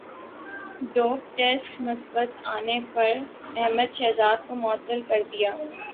dope test مثبت انے پر احمد شہزاد کومعطل کردیاگیا